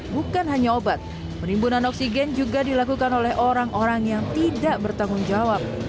bukan hanya obat penimbunan oksigen juga dilakukan oleh orang orang yang tidak bertanggung jawab